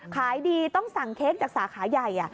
ขายดีต้องสั่งเค้กจากสาขาใหญ่